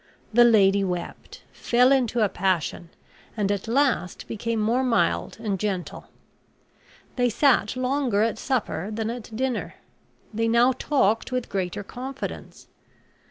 The lady wept, fell into a passion, and at last became more mild and gentle. They sat longer at supper than at dinner. They now talked with greater confidence.